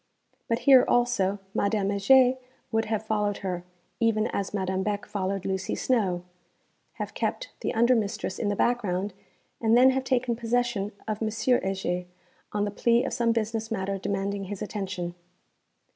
But here also Madame Heger would have followed her (even as Madame Beck followed Lucy Snowe) have kept the under mistress in the background, and then have taken possession of M. Heger, on the plea of some business matter demanding his attention.